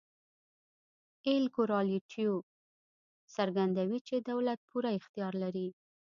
اېل کورالیټو څرګندوي چې دولت پوره اختیار لري.